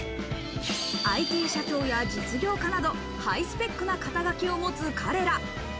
ＩＴ社長や実業家などハイスペックな肩書きを持つ彼ら。